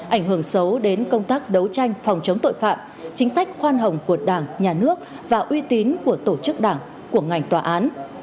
ảnh hưởng xấu đến công tác đấu tranh phòng chống tội phạm chính sách khoan hồng của đảng nhà nước và uy tín của tổ chức đảng của ngành tòa án